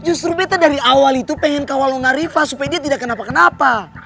justru betta dari awal itu pengen ke awal nona riva supaya dia tidak kenapa kenapa